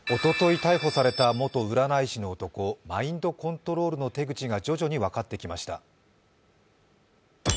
逮捕された元占い師の男、マインドコントロールの手口が徐々に分かってきました。